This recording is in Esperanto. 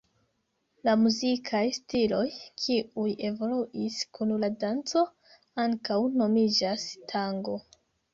La muzikaj stiloj, kiuj evoluis kun la danco, ankaŭ nomiĝas tango.